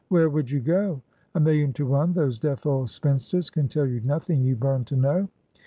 Where would you go? A million to one, those deaf old spinsters can tell you nothing you burn to know.